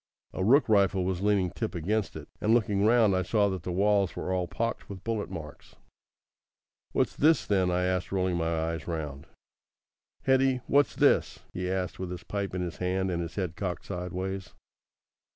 A rook rifle was leaning tip against it, and looking round I saw that the walls were all pocked with bullet marks. "What's this, then?" I asked, rolling my eyes round. "Hetty, what's this?" he asked, with his pipe in his hand and his head cocked sideways.